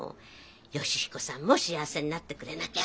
「良彦さんも幸せになってくれなきゃ」